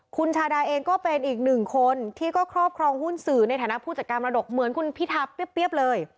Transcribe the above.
คุณชาดาเองก็เป็นอีกหนึ่งคนที่ก็ครอบครองหุ้นสื่อในฐานะผู้จัดการมรดกเหมือนคุณพิทาเปรี้ยบเลย